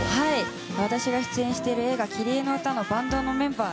私が出演している映画「キリエのうた」のバンドのメンバー